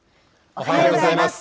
おはようございます。